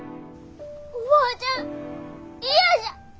おばあちゃん嫌じゃ！